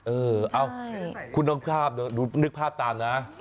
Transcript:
เออเอาคุณต้องภาพนึกภาพตามนะ